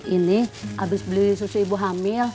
ini habis beli susu ibu hamil